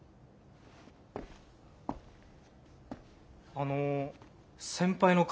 あの先輩の顔